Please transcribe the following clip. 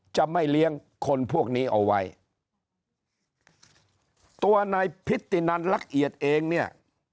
จะไม่เลี้ยงคนพวกนี้เอาไว้ตัวนายพิธินันลักเอียดเองเนี่ย